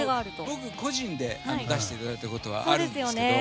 僕、個人で出していただいたことはあるんですけど。